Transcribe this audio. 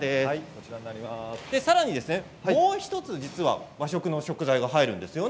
さらに、もう１つ和食の食材が入るんですよね。